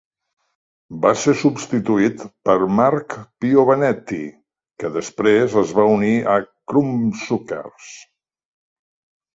Va ser substituït per Marc Piovanetti, que després es va unir a Crumbsuckers.